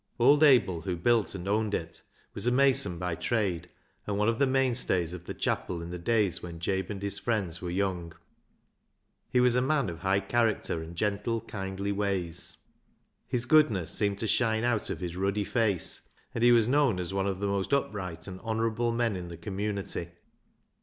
Old Abel, who built and owned it, was a mason by trade, and one of the mainstays of the chapel in the days when Jabe and his friends were young. He was a man of high character and gentle, kindly ways. His goodness seemed to shine out of his ruddy face, and he was known as one of the most upright and honour able men in the community.